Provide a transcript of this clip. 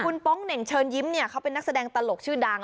คุณโป๊งเหน่งเชิญยิ้มเนี่ยเขาเป็นนักแสดงตลกชื่อดัง